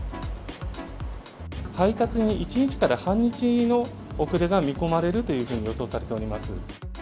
配達に１日から半日の遅れが見込まれるというふうに予想されております。